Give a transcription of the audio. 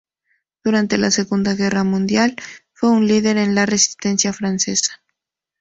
Durante la Segunda Guerra Mundial, fue un líder en la resistencia francesa.